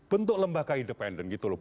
bentuk lembaga independen gitu loh